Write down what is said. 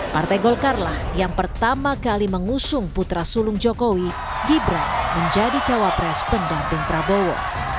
partai golkar lah yang pertama kali mengusung putra sulung jokowi gibran menjadi cawapres pendamping prabowo